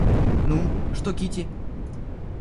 Ну, что Кити?